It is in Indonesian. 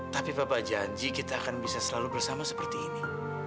tapi bapak janji kita akan bisa selalu bersama seperti ini